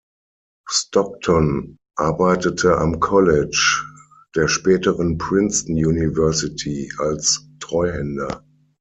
Stockton arbeitete am College, der späteren Princeton University, als Treuhänder.